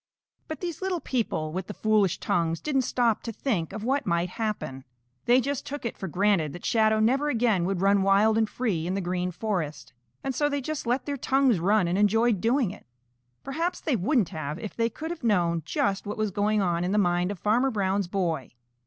But these little people with the foolish tongues didn't stop to think of what might happen. They just took it for granted that Shadow never again would run wild and free in the Green Forest, and so they just let their tongues run and enjoyed doing it. Perhaps they wouldn't have, if they could have known just what was going on in the mind of Farmer Brown's boy.